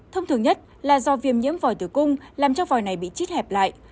thông thường nhất là do viêm nhiễm voi từ cung làm cho voi này bị chít hẹp lại